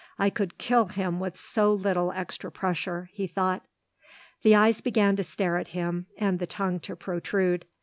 I could kill him with so little extra pressure," he thought. The eyes began to stare at him and the tongue to protrude.